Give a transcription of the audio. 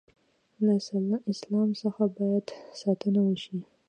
له اسلام څخه باید ساتنه وشي.